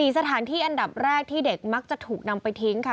สถานที่อันดับแรกที่เด็กมักจะถูกนำไปทิ้งค่ะ